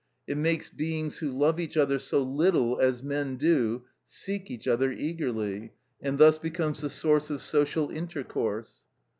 It makes beings who love each other so little as men do, seek each other eagerly, and thus becomes the source of social intercourse.